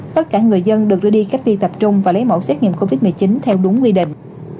tất cả người dân được đưa đi cách ly tập trung và lấy mẫu xét nghiệm covid một mươi chín theo đúng quy định